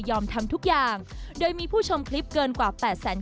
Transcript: ทำทุกอย่างโดยมีผู้ชมคลิปเกินกว่า๘แสนคน